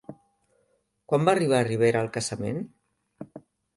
Quan va arribar Rivera al casament?